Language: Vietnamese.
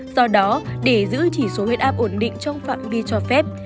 do đó để giữ chỉ số huyết áp ổn định trong phạm vi cho phép